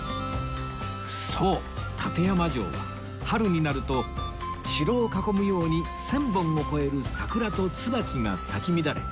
そう館山城は春になると城を囲むように１０００本を超える桜と椿が咲き乱れ